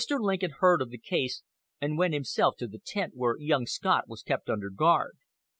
Lincoln heard of the case, and went himself to the tent where young Scott was kept under guard.